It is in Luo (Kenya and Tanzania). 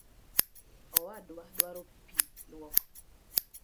Owadwa dwaro pii luok